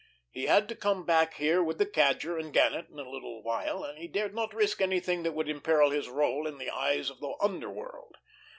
He had to come back here with the Cadger and Gannet in a little while, and he dared not risk anything that would imperil his rôle in the eyes of the underworld.